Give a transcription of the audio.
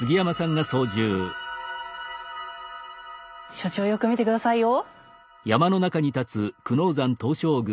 所長よく見て下さいよ。